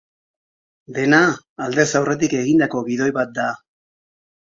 Dena aldez aurretik egindako gidoi bat da.